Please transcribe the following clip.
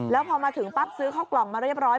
แล้วพอมาถึงปั๊บซื้อข้าวกล่องมาเรียบร้อย